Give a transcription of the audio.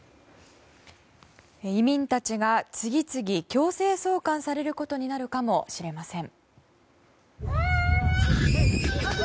移民たちが次々強制送還されることになるかもしれません。